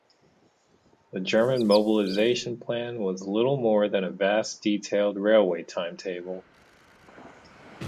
The German mobilization plan was little more than a vast detailed railway timetable.